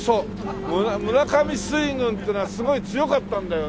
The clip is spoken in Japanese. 村上水軍っていうのはすごい強かったんだよね。